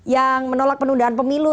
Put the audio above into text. yang menolak penundaan pemilu